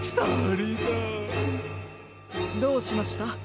どうしました？